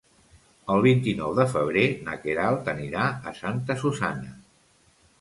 El vint-i-nou de febrer na Queralt anirà a Santa Susanna.